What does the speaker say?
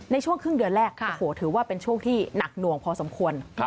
ในช่วงครึ่งเดือนแรกโอ้โหถือว่าเป็นช่วงที่หนักหน่วงพอสมควร